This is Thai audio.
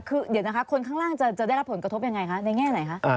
คือเดี๋ยวนะคะคนข้างล่างจะได้รับผลกระทบยังไงคะในแง่ไหนคะ